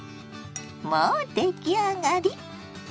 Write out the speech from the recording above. もう出来上がり。